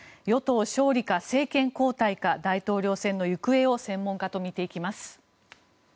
与党勝利か政権交代か大統領選の行方を専門家と見ていきます。